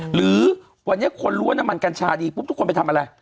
หรือวันนี้คนรู้ว่าน้ำมันกัญชาดีปุ๊บทุกคนไปทำอะไร